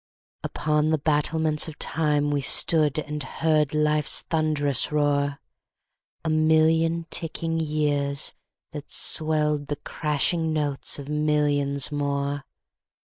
Upon the battlements of TimeWe stood and heard Life's thunders roar:A million ticking years that swelledThe crashing notes of millions more.